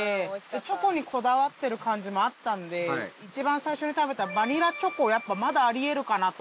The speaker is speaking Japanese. チョコにこだわってる感じもあったんで一番最初に食べたバニラチョコやっぱまだあり得るかなと。